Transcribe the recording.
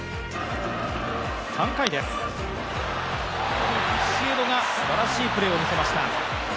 ３回です、ビシエドがすばらしいプレーをみせました。